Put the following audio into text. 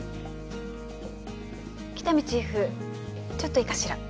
喜多見チーフちょっといいかしら？